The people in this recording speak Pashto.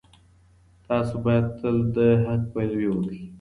تاسو باید تل د حق پلوي وکړئ.